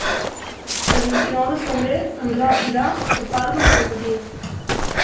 El vint-i-nou de febrer en Roc irà a Palma de Gandia.